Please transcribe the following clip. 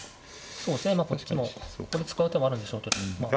そうですねまあこっちもここで使う手もあるんでしょうけどまあ。